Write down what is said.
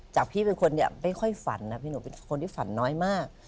พี่เป็นคนเนี่ยไม่ค่อยฝันนะพี่หนูเป็นคนที่ฝันน้อยมาก